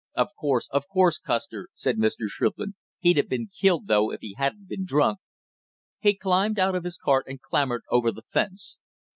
"Of course, of course, Custer!" said Mr. Shrimplin. "He'd a been killed though if he hadn't been drunk." He climbed out of his cart, and clambered over the fence.